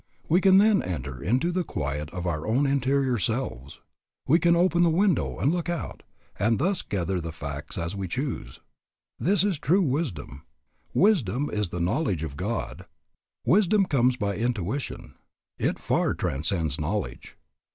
We can then enter into the quiet of our own interior selves. We can open the window and look out, and thus gather the facts as we choose. This is true wisdom. "Wisdom is the knowledge of God." Wisdom comes by intuition. It far transcends knowledge.